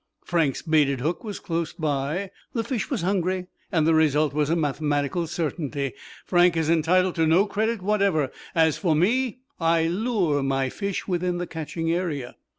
Frank's baited hook was close by. The fish was hungry and the result was a mathematical certainty. Frank is entitled to no credit whatever. As for me, I lure my fish within the catching area."